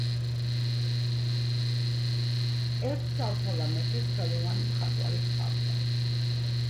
ერთ ცალთვალა მეფეს ხელოვანი მხატვარი ჰყავდა